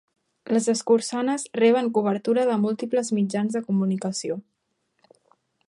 Les escurçanes reben cobertura de múltiples mitjans de comunicació.